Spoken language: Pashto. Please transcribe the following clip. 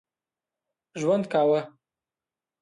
ژوند کاوه.